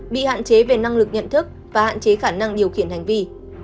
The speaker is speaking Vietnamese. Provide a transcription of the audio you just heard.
bị hạn chế về năng lực nhận thức và hạn chế khả năng điều khiển hành vi